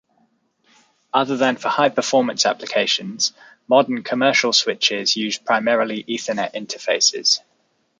Other than for high-performance applications, modern commercial switches use primarily Ethernet interfaces.